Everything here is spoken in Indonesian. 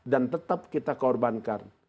dan tetap kita korbankan